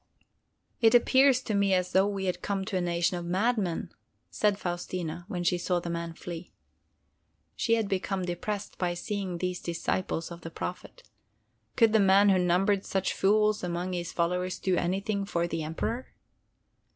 "It appears to me as though we had come to a nation of madmen," said Faustina, when she saw the man flee. She had become depressed by seeing these disciples of the Prophet. Could the man who numbered such fools among his followers do anything for the Emperor?